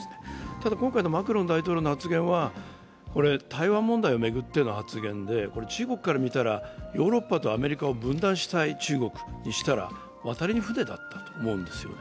ただ今回のマクロン大統領の発言は台湾問題を巡っての発言で、中国から見たら、ヨーロッパとアメリカを分断したい中国からしたら渡りに船だったと思うんですよね。